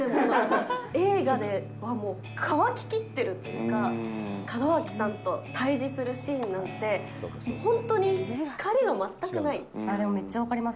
映画はもうかわききってるというか、門脇さんと対じするシーンなんて、でもめっちゃ分かります。